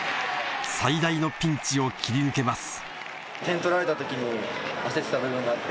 最大のピンチを切り抜けます